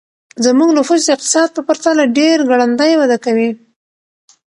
زموږ نفوس د اقتصاد په پرتله ډېر ګړندی وده کوي.